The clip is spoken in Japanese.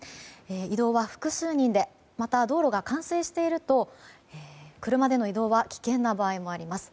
移動は複数人でまた道路が冠水していると車での移動は危険な場合もあります。